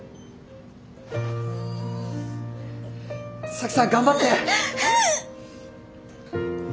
沙樹さん頑張って！